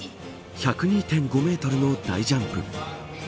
１０２．５メートルの大ジャンプ。